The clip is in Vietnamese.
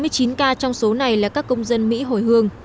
chín mươi chín ca trong số này là các công dân mỹ hồi hương